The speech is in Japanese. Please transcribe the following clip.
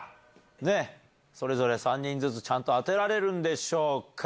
ねぇ、それぞれ３人ずつ、ちゃんと当てられるんでしょうか。